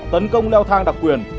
tấn công leo thang đặc quyền